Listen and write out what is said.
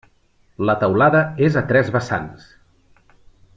La teulada és a tres vessants.